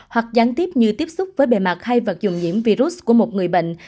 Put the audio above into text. hoặc gián tiếp như tiếp xúc với bề mặt hay vật dùng nhiễm virus của một người bệnh